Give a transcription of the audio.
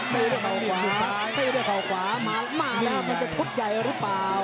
ไม่ได้เผาขวาไม่ได้เผาขวาหมาแล้วมันจะชดใหญ่หรือเปล่า